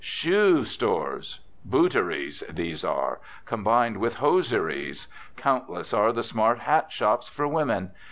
Shoo stores!! "Booteries," these are. Combined with "hosieries." Countless are the smart hat shops for women.